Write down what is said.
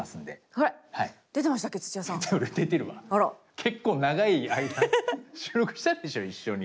結構長い間収録したでしょ一緒に。